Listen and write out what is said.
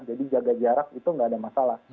jadi jaga jarak itu tidak ada masalah